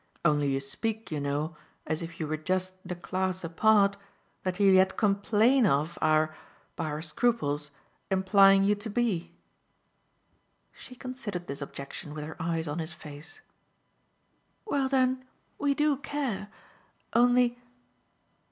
Only you speak, you know, as if you were just the class apart that you yet complain of our by our scruples implying you to be." She considered this objection with her eyes on his face. "Well then we do care. Only